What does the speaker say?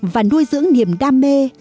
và nuôi dưỡng niềm đam mê